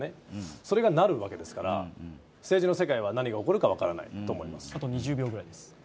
それがなるわけですから、政治の世界は何が起こるか分からないと思います。